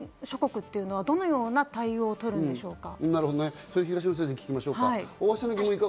欧米周辺諸国っていうのはどのような対応をとるんでしょうか？